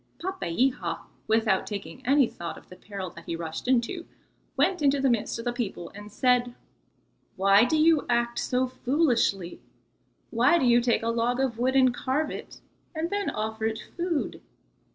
Papeiha, without taking any thought of the peril that he rushed into, went into the midst of the people and said: "Why do you act so foolishly? Why do you take a log of wood and carve it, and then offer it food?